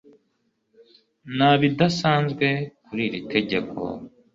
nta bidasanzwe kuri iri tegeko